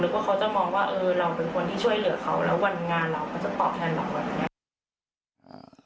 แล้วก็เขาจะมองว่าเราเป็นคนที่ช่วยเหลือเขาแล้ววันงานเราก็จะตอบแทนเราแบบนี้